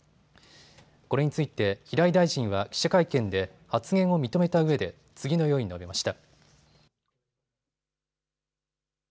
これについて平井大臣は記者会見で発言を認めたうえで次のように述べました。